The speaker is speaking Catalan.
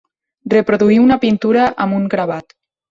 Reproduir una pintura amb un gravat.